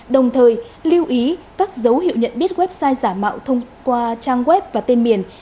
đồng thời lưu ý các dấu hiệu nhận biết website giả mạo thông qua trang web và tên miền